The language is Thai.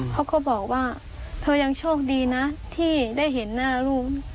เขาก็บอกว่าเธอยังโชคดีนะที่ได้เห็นหน้าลูก